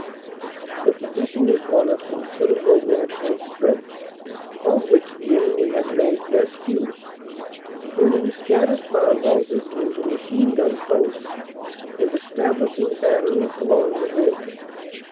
The position is one of considerable natural strength, of which the enemy had made best use, turning scattered farm houses into machine gun posts and establishing batteries along the ridge.